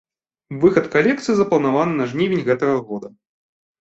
Выхад калекцыі запланаваны на жнівень гэтага года.